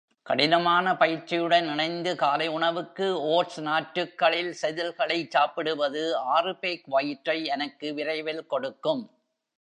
கடினமான பயிற்சியுடன் இணைந்து காலை உணவுக்கு ஓட்ஸ் நாற்றுக்களில் செதில்களை சாப்பிடுவது ஆறு பேக் வயிற்றை எனக்கு விரைவில் கொடுக்கும்.